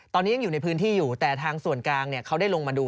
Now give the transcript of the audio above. ตอนนี้ยังอยู่ในพื้นที่อยู่แต่ทางส่วนกลางเขาได้ลงมาดู